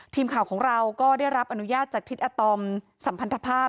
ทีมข่าวของเราก็ได้รับอนุญาตจากทิศอาตอมสัมพันธภาพ